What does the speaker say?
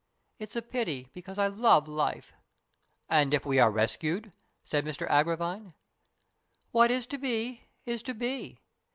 It's a pity, because I love life." " And if we are rescued ?" said Mr Agravine. " What is to be is to be.